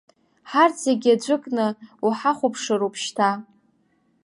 Ҳарҭ зегьы аӡәыкны уҳахәаԥшыроуп шьҭа.